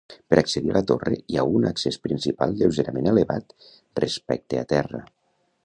Per accedir a la torre hi ha un accés principal lleugerament elevat respecte a terra.